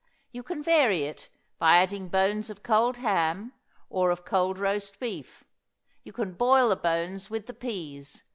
You can vary it by adding bones of cold ham, or of cold roast beef; you can boil the bones with the peas.